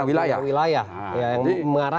wilayah karantina wilayah mengarah